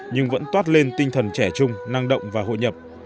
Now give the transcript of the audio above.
nhưng vẫn toát lên tinh thần trẻ chung năng động và hội nhập